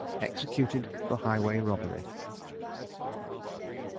EXECUTED FOR HIGHWAY ROBBERY.